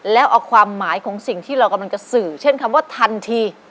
แล้วเอาความหมายของสิ่งที่เรากำลังจะสื่อเช่นคำว่าทันที